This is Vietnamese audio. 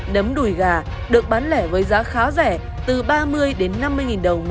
nấm đùi gà được bán ở nhiệt độ thường